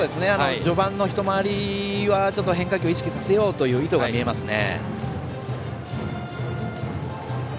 序盤の１回りは、変化球を意識させようという意図が見えますね。